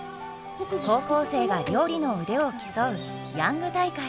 高校生が料理の腕を競うヤング大会。